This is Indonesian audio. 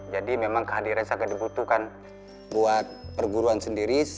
jadi memang kehadirannya sangat dibutuhkan buat perguruan sendiri